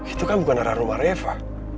itu kan bukan ada rumah reva